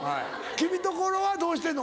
君のところはどうしてるの？